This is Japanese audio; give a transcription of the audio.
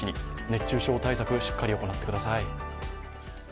熱中症対策、しっかり行ってください。